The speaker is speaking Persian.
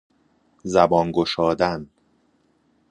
زبان گشادن